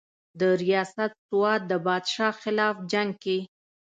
درياست سوات د بادشاه خلاف جنګ کښې